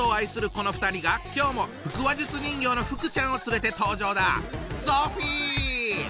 この２人が今日も腹話術人形のふくちゃんを連れて登場だ！